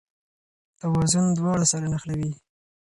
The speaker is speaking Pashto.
توازن دواړه سره نښلوي.